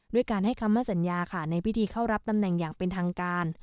ด้วยการให้คำว่าสัญญาค่ะในพิธีเข้ารับตำแหน่งอย่างเป็นทางการ